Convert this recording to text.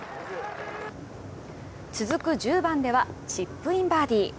続く１０番ではチップインバーディー。